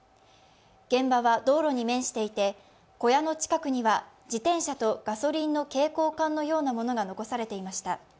現場は道路に面していて、小屋の近くには自転車とガソリンの携行缶のようなものが残されていました。